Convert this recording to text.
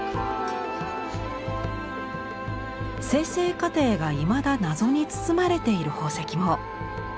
生成過程がいまだ謎に包まれている宝石も。